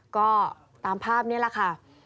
ก็ตามภาพนี้แหละค่ะ